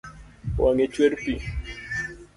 Wang’e chwer pi